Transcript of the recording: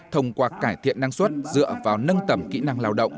thông qua cải thiện năng suất dựa vào nâng tầm kỹ năng lao động